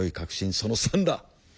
その３だ。